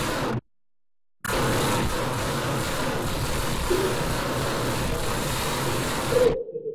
En este distrito se sitúa la iglesia St.